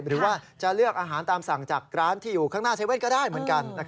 หรือว่าจะเลือกอาหารตามสั่งจากร้านที่อยู่ข้างหน้า๗๑๑ก็ได้เหมือนกัน